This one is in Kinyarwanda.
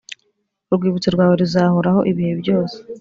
Urwibutso rwawe ruzahoraho ibihe byose